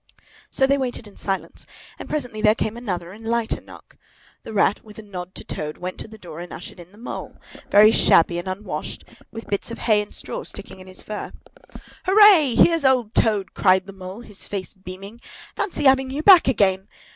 So they waited in silence, and presently there came another and a lighter knock. The Rat, with a nod to Toad, went to the door and ushered in the Mole, very shabby and unwashed, with bits of hay and straw sticking in his fur. "Hooray! Here's old Toad!" cried the Mole, his face beaming. "Fancy having you back again!"